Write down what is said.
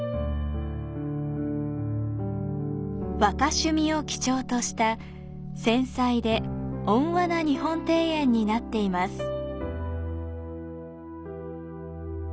和歌趣味を基調とした繊細で温和な日本庭園になっています。